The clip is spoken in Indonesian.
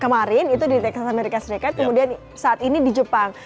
kemarin itu di texas amerika serikat kemudian saat ini di jepang